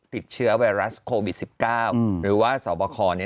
ติดเชื้อไวรัสโควิดสิบเก้าอืมหรือว่าสบครเนี้ย